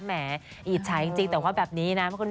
หมออิจฉาจริงแต่ว่าแบบนี้นะ